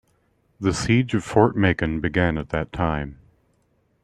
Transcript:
The siege of Fort Macon began at that time.